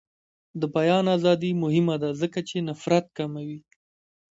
د بیان ازادي مهمه ده ځکه چې نفرت کموي.